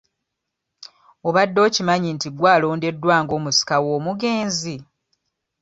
Obadde okimanyi nti gwe alondeddwa nga omusika w'omugenzi?